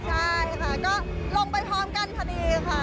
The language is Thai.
ใช่ค่ะก็ลงไปพร้อมกันพอดีค่ะ